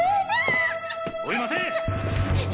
おい待てっ！